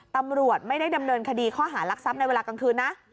ตำรวจไม่ได้ดำเนินคดีข้อหารักทรัพย์ในเวลากลางคืนนะ